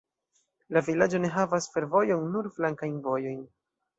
La vilaĝo ne havas fervojon, nur flankajn vojojn.